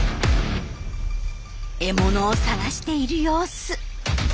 獲物を探している様子。